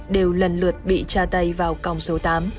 đều lần lượt bị tra tay vào còng số tám